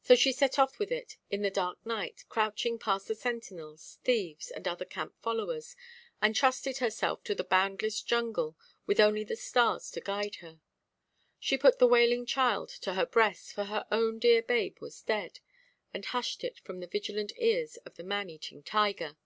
So she set off with it, in the dark night, crouching past the sentinels, thieves, and other camp followers, and trusted herself to the boundless jungle, with only the stars to guide her. She put the wailing child to her breast, for her own dear babe was dead, and hushed it from the vigilant ears of the man–eating tiger.